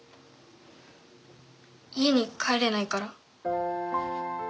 家に帰れないから。